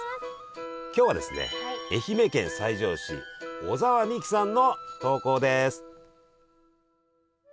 今日はですね愛媛県西条市小澤未樹さんの投稿です。